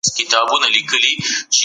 مسئولیت د مسلک سره تړاو لري.